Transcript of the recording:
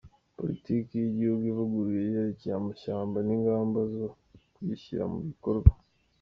Politiki y’Igihugu ivuguruye yerekeye Amashyamba n’Ingamba zo kuyishyira mu bikorwa;